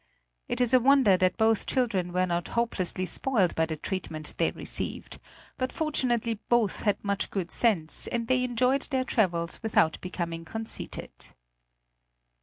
It is a wonder that both children were not hopelessly spoiled by the treatment they received, but fortunately both had much good sense, and they enjoyed their travels without becoming conceited.